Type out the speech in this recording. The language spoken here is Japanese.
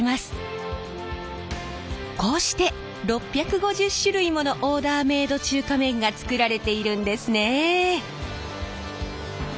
こうして６５０種類ものオーダーメード中華麺が作られているんですね。